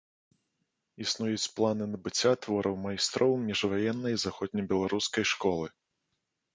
Існуюць планы набыцця твораў майстроў міжваеннай заходнебеларускай школы.